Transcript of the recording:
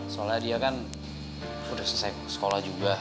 soalnya dia kan sudah selesai sekolah juga